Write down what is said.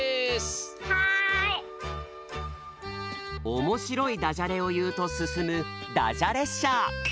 おもしろいダジャレをいうとすすむダジャ列車